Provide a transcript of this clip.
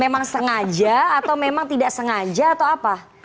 memang sengaja atau memang tidak sengaja atau apa